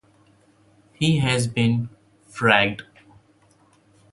He has been "fragged".